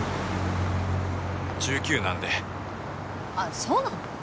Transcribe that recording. １９なんであっそうなの？